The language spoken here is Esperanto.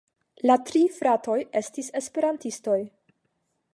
La tri fratoj estis Esperantistoj.